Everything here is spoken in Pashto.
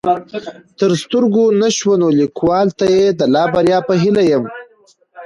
تر سترګو نه شوه نو ليکوال ته يې د لا بريا په هيله يم